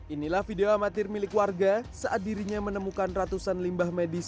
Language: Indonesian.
inilah video amatir milik warga saat dirinya menemukan ratusan limbah medis